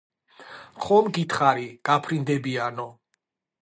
ხომ გითხარი გაფრინდებიანო